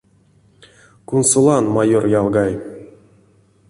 Кунсолан, майор ялгай!